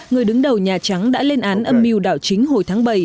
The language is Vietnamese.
người đứng đầu nhà trắng đã lên án âm mưu đảo chính hồi tháng bảy